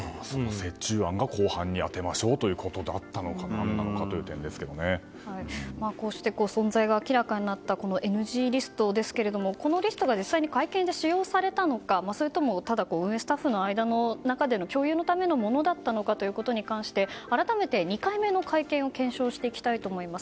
折衷案が後半に当てるということだったのかこうして存在が明らかになったＮＧリストですけどこのリストが実際に会見で使用されたのかそれともただ運営スタッフの間での共有のためのものだったのかということで改めて、２回目の会見を検証していきたいと思います。